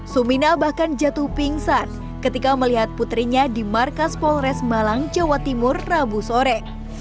sumina bahkan jatuh pingsan ketika melihat putrinya di markas polres malang jawa timur rabu sore